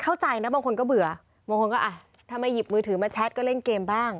เข้าใจนะบางคนก็เบื่อบางคนก็อ่ะทำไมหยิบมือถือมาแชทก็เล่นเกมบ้าง